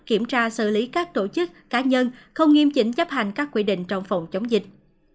kiểm tra xử lý các tổ chức cá nhân không nghiêm chỉnh chấp hành các quy định trong phòng chống dịch